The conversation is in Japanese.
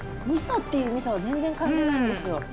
みそっていうみそは全然感じないんですよ。